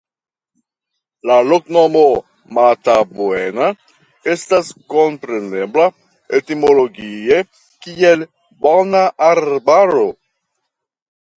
La loknomo "Matabuena" estas komprenebla etimologie kiel Bona Arbaro.